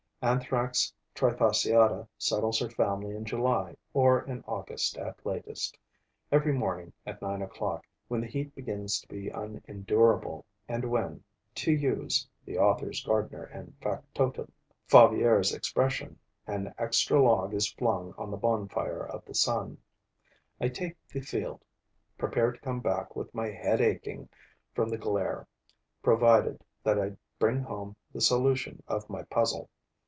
Anthrax trifasciata settles her family in July, or in August at latest. Every morning, at nine o'clock, when the heat begins to be unendurable and when, to use [the author's gardener and factotum] Favier's expression, an extra log is flung on the bonfire of the sun, I take the field, prepared to come back with my head aching from the glare, provided that I bring home the solution of my puzzle.